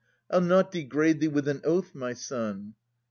I'll not degrade thee with an oath, my son.